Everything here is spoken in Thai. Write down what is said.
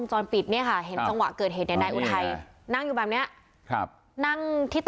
เจอกอยู่แบบนี้